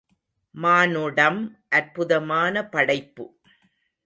மானுடம் அற்புதமான படைப்பு.